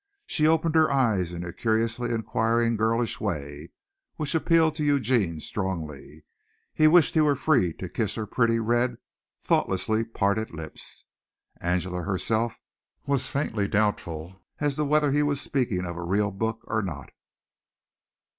She opened her eyes in a curiously inquiring girlish way which appealed to Eugene strongly. He wished he were free to kiss her pretty, red, thoughtlessly parted lips. Angela herself was faintly doubtful as to whether he was speaking of a real book or not.